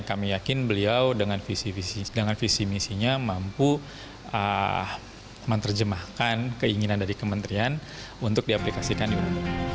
kami yakin beliau dengan visi misinya mampu menerjemahkan keinginan dari kementerian untuk diaplikasikan di undang undang